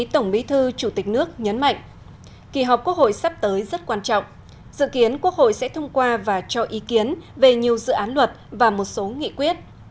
tổng bí thư chủ tịch nước nhấn mạnh kỳ họp quốc hội sắp tới rất quan trọng dự kiến quốc hội sẽ thông qua và cho ý kiến về nhiều dự án luật và một số nghị quyết